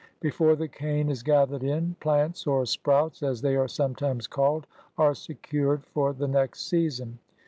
Before the cane is gathered in, plants, or sprouts, as they are sometimes called, are secured for the next season.